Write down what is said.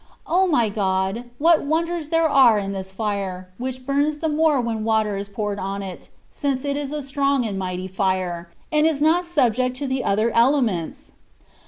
O my God! what wonders there are in this fire, which bums the more when water is poured on it, since it is a strong and mighty fire, and is not subject to the other elements